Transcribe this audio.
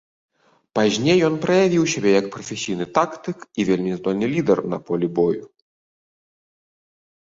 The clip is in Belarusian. Пазней ён праявіў сябе як прафесійны тактык і вельмі здольны лідар на полі бою.